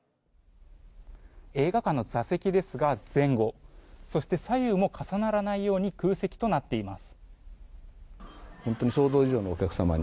映画館の座席ですが前後そして左右も重ならないように空席となっています。